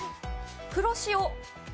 黒潮。